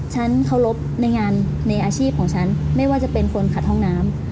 ฉันเคารพในงานในอาชีพของฉันไม่ว่าจะเป็นคนขัดห้องน้ำ